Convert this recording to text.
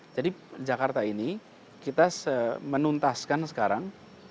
jadi jakarta ini kita menuntaskan sekarang